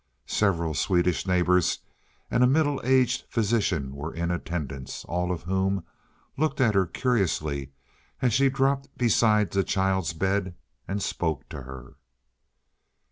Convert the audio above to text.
Several Swedish neighbors and a middle aged physician were in attendance, all of whom looked at her curiously as she dropped beside the child's bed and spoke to her.